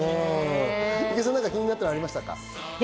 郁恵さん、気になったのはありましたか？